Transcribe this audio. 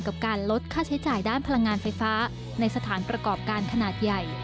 กับการลดค่าใช้จ่ายด้านพลังงานไฟฟ้าในสถานประกอบการขนาดใหญ่